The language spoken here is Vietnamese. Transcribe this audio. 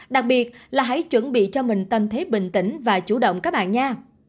đặc biệt là hãy chuẩn bị cho mình tâm thế bình tĩnh và chủ động các bạn nha